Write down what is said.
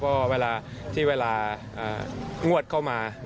เพราะว่าเวลาที่เวลางวดเข้ามา